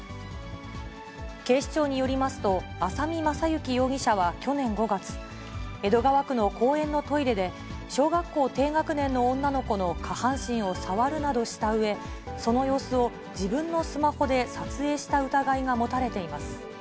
警視庁によりますと、浅見雅之容疑者は去年５月、江戸川区の公園のトイレで、小学校低学年の女の子の下半身を触るなどしたうえ、その様子を自分のスマホで撮影した疑いが持たれています。